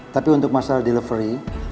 tapi untuk masalah delivery saya minta pelayanannya